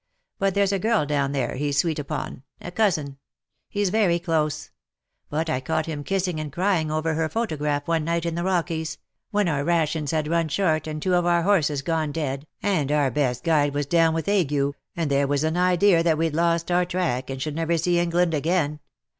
But there^s a girl down there he^s sweet upon — a cousin. He^s very close ; but I caught him kissing and crying over her photo graph one night in the Eockies — when our rations had run short, and two of our horses gone dead, and our best guide was down with ague, and there was an idea that we'd lost our track, and should never see England again.